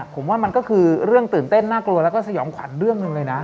ผมว่ามันก็คือเรื่องตื่นเต้นน่ากลัวแล้วก็สยองขวัญเรื่องหนึ่งเลยนะ